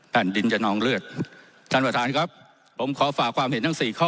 แผ่นดินจะนองเลือดท่านประธานครับผมขอฝากความเห็นทั้งสี่ข้อ